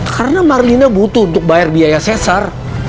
karena marlina butuh untuk bayar biaya cesar